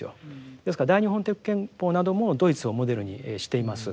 ですから大日本帝国憲法などもドイツをモデルにしています。